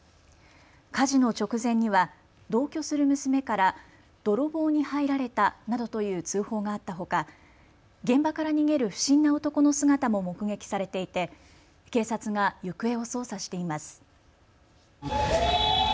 火事の直前には同居する娘から泥棒に入られたなどという通報があったほか現場から逃げる不審な男の姿も目撃されていて警察が行方を捜査しています。